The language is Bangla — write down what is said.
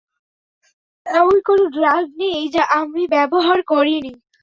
এমন কোন ড্রাগ নেই যা আমি ব্যবহার করিনি।